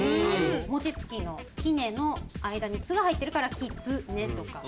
餅つきの杵の間に「つ」が入ってるから「キツネ」とか。